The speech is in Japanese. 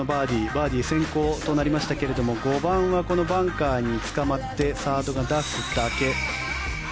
バーディー先行となりましたが５番はバンカーにつかまってサードが出すだけ。